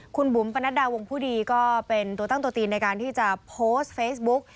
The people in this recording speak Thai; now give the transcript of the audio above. คุณบุ๋มปนัดดาวงผู้ดีก็เป็นตัวตั้งตัวตีนในการที่จะโพสต์เฟซบุ๊ก